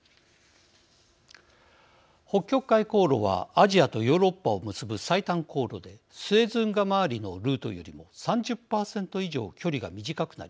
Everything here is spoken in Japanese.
北極海航路はアジアとヨーロッパを結ぶ最短航路でスエズ運河まわりのルートよりも３０％以上距離が短くなります。